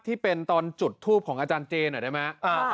ที่เป็นตอนจุดทูปของอาจารย์เจหน่อยได้ไหม